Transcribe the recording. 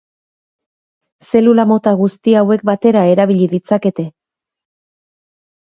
Zelula mota guzti hauek batera erabili ditzakete.